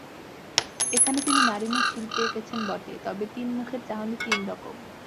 এখানে তিন নারীমুখ শিল্পী এঁকেছেন বটে তবে তিন মুখের চাহনি তিন রকম।